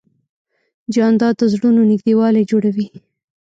جانداد د زړونو نږدېوالی جوړوي.